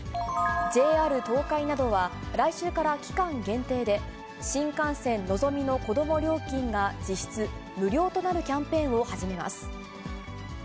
ＪＲ東海などは、来週から期間限定で、新幹線のぞみのこども料金が実質、無料となるキャンペーンを始めます。